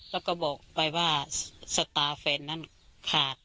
แล้วก็บอกไปว่าสตาร์แฟนนั้นขาด